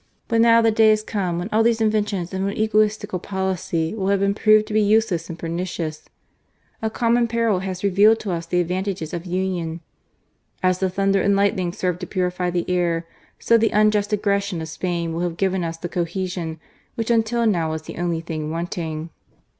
But now the day is come when all these inventions of an egoistical policy will have been proved to be useless and pernicious. A common peril has revealed to us the advantages of union. As the thunder and lightning serve to purify the air, so the unjust aggression of Spain will have given us the cohesion which until now was the only thing wanting."